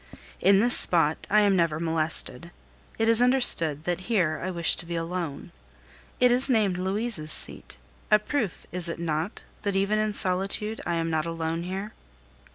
In this spot I am never molested; it is understood that here I wish to be alone. It is named Louise's seat a proof, is it not, that even in solitude I am not alone here?